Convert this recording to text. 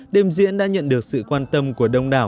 đêm diễn đã nhận được sự quan tâm của đông đảo